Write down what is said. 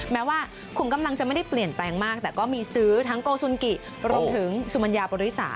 แม้ว่าขุมกำลังจะไม่ได้เปลี่ยนแปลงมากแต่ก็มีซื้อทั้งโกสุนกิรวมถึงสุมัญญาปริศาส